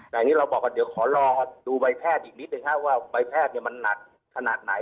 แต่อันนี้เราบอกว่าเดี๋ยวขอรอดูใบแพทย์อีกนิดนึงว่าใบแพทย์มันหนักขนาดไหน